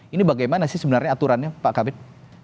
ini bagaimana sih sebenarnya aturannya pak kabit